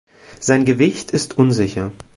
Sein Gewicht ist unsicher.